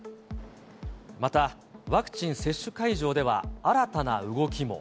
また、ワクチン接種会場では新たな動きも。